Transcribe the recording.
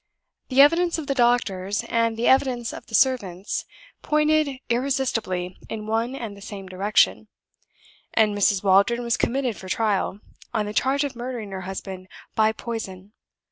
The evidence of the doctors and the evidence of the servants pointed irresistibly in one and the same direction; and Mrs. Waldron was committed for trial, on the charge of murdering her husband by poison.